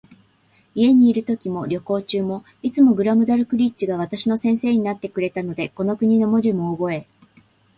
家にいるときも、旅行中も、いつもグラムダルクリッチが私の先生になってくれたので、この国の文字もおぼえ、